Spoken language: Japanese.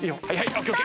ＯＫＯＫ。